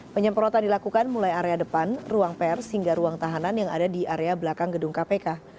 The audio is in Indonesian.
penyemprotan dilakukan mulai area depan ruang pers hingga ruang tahanan yang ada di area belakang gedung kpk